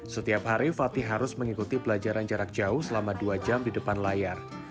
setiap hari fatih harus mengikuti pelajaran jarak jauh selama dua jam di depan layar